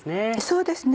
そうですね